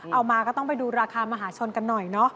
เอามาก็ต้องไปดูราคามหาชนกันหน่อยเนอะ